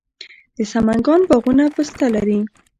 د سمنګان باغونه پسته لري.